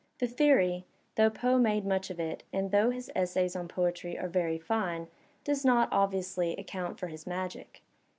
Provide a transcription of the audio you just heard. The theory, though Poe made much of it and though his essays on poetiy are very fine, does not, obviously, account for his magic.